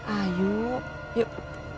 ah yuk yuk